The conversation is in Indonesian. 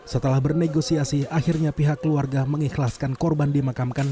setelah bernegosiasi akhirnya pihak keluarga mengikhlaskan korban dimakamkan